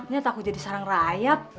niat aku jadi sarang rayap